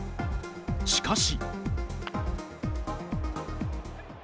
しかし。